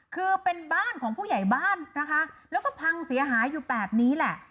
คือเป็นบ้านของผู้ใหญ่บ้านนะคะแล้วก็พังเสียหายอยู่แบบนี้แหละ